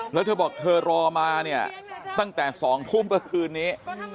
แล้วเธอบอกเธอรอมาเนี่ยตั้งแต่๒ทุ่มเมื่อคืนนี้